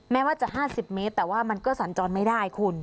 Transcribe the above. แม้ว่าจะ๕๐เมตรแต่ว่ามันก็สัญจรไม่ได้คุณ